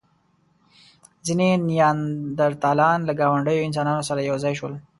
ځینې نیاندرتالان له ګاونډيو انسانانو سره یو ځای شول.